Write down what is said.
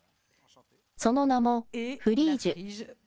その名も、フリージュ。